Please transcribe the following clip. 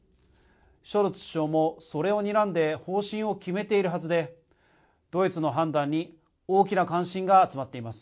ショルツ首相もそれをにらんで方針を決めているはずでドイツの判断に大きな関心が集まっています。